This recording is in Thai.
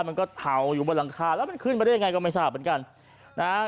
มันก็เห่าอยู่บนหลังคาแล้วมันขึ้นไปได้ยังไงก็ไม่ทราบเหมือนกันนะฮะ